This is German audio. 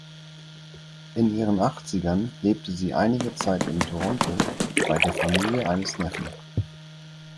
In ihren Achtzigern lebte sie einige Zeit in Toronto bei der Familie eines Neffen.